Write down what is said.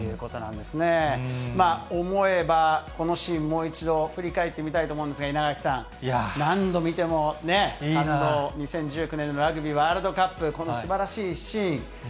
まあ、思えばこのシーン、もう一度振り返ってみたいと思うんですが、稲垣さん、何度見てもね、感動、２０１９年のラグビーワールドカップ、このすばらしいシーン。